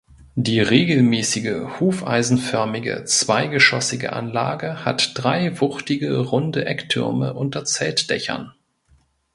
Die regelmäßige hufeisenförmige zweigeschoßige Anlage hat drei wuchtige runde Ecktürme unter Zeltdächern.